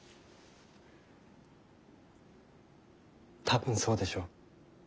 多分そうでしょう。